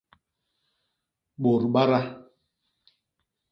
Bôt bada.